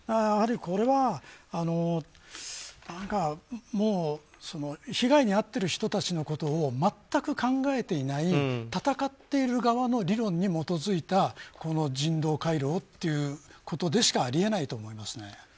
これは被害に遭ってる人たちのことを全く考えていない戦っている側の理論に基づいた人道回廊でしかあり得ないと思いますね。